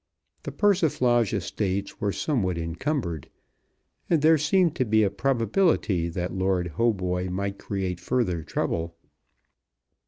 The Persiflage estates were somewhat encumbered, and there seemed to be a probability that Lord Hautboy might create further trouble.